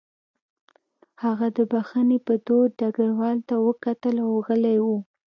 هغه د بښنې په دود ډګروال ته وکتل او غلی و